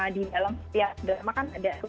di dalam setiap drama kan ada